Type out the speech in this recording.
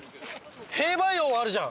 兵馬俑あるじゃん！